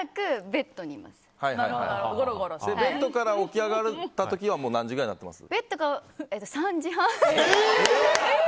ベッドから起き上がった時には何時ごろになってます？